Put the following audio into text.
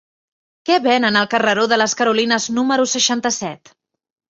Què venen al carreró de les Carolines número seixanta-set?